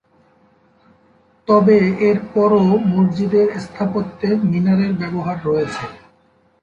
তবে এরপরও মসজিদের স্থাপত্যে মিনারের ব্যবহার রয়েছে।